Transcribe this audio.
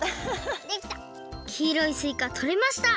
きいろいすいかとれました！